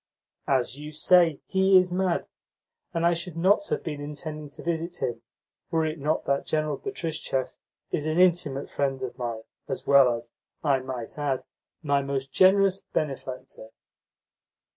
"As you say, he is mad, and I should not have been intending to visit him, were it not that General Betristchev is an intimate friend of mine, as well as, I might add, my most generous benefactor."